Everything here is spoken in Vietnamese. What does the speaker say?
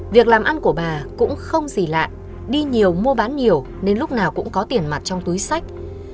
việc làm ăn của bà cũng không gì lạ đi nhiều mua bán nhiều nên lúc nào cũng có tiền mặt trong túi sách